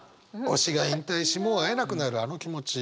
推しが引退しもう会えなくなるあの気持ち。